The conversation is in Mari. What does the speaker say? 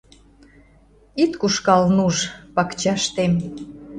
Ит кушкал, нуж, пакчаштем —